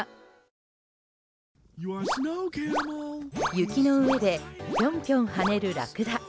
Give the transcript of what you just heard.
雪の上でぴょんぴょん跳ねるラクダ。